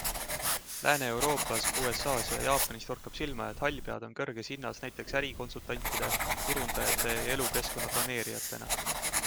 Lääne-Euroopas, USAs ja Jaapanis torkab silma, et hallpead on kõrges hinnas näiteks ärikonsultantide, turundajate ja elukeskkonna planeerijatena.